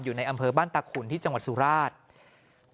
อยู่ในอำเภอบ้านตาขุนที่จังหวัดสุราช